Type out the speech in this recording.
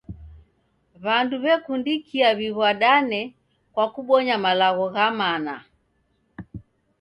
W'andu w'ekundikia w'iw'adane kwa kubonya malagho gha maana.